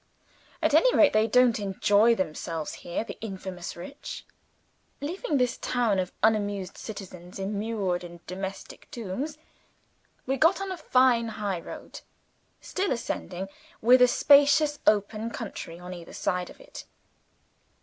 At any rate, they don't enjoy themselves here the infamous rich! Leaving this town of unamused citizens immured in domestic tombs, we got on a fine high road still ascending with a spacious open country on either side of it.